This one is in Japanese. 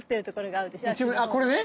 あっこれね。